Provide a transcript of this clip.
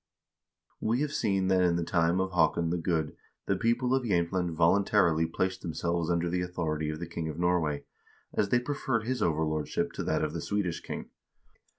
We have seen that in the time of Haakon the Good the people of Jsemtland voluntarily placed them selves under the authority of the king of Norway, as they preferred his overlordship to that of the Swedish king.